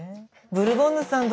ブルボンヌさん